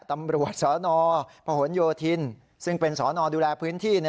ตำรวจสนพหนโยธินซึ่งเป็นสอนอดูแลพื้นที่